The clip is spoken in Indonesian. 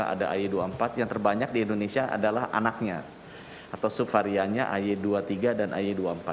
ada ay dua puluh empat yang terbanyak di indonesia adalah anaknya atau subvariannya ay dua puluh tiga dan ay dua puluh empat